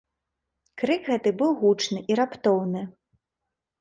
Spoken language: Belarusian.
Крык гэты быў гучны і раптоўны.